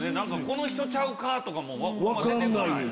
この人ちゃうか？とかも出て来ない。